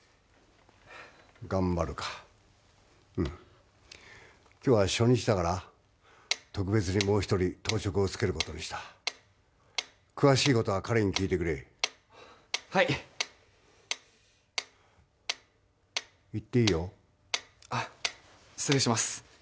がんばるか今日は初日だから特別にもう一人当直をつけることにした詳しいことは彼に聞いてくれはい行っていいよ失礼します